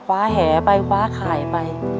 ขว้าแห่ไปขว้าขายไป